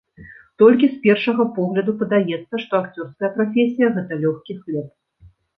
Толькі з першага погляду падаецца, што акцёрская прафесія гэта лёгкі хлеб.